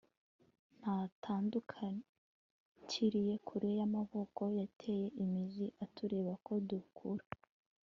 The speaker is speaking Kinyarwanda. ntatandukiriye kure y'amavuko, yateye imizi atureba ko dukura